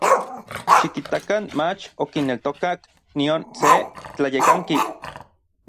Xikitakan mach okineltokak nion se tlayekanki.